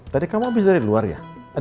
tadi kamu habis dari luar ya